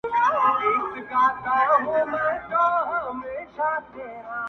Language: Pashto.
پرېږده د مينې کاروبار سره خبرې کوي_